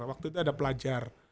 waktu itu ada pelajar